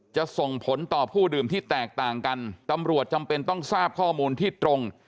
จะส่งผลต่อผู้ดื่มที่แตกต่างกันตำรวจจำเป็นต้องทราบข้อมูลที่ตรง